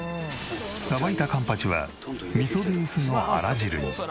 さばいたカンパチは味噌ベースのあら汁に。